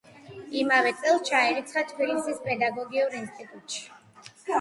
იმავე წელს ჩაირიცხა თბილისის პედაგოგიკურ ინსტიტუტში.